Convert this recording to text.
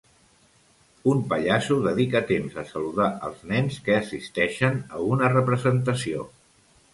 Un pallasso dedica temps a saludar els nens que assisteixen a una representació.